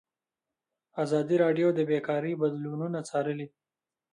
ازادي راډیو د بیکاري بدلونونه څارلي.